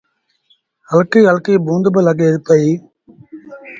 هلڪيٚ هلڪي بوند با لڳي پئيٚ